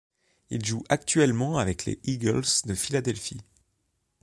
Il joue actuellement avec les Eagles de Philadelphie.